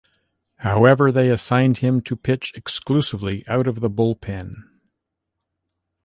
However, they assigned him to pitch exclusively out of the bullpen.